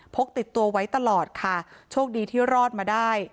พกติดตัวไว้ตลอดค่ะโชคดีที่รอดมาได้